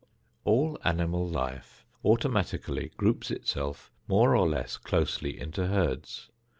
All animal life automatically groups itself more or less closely into herds.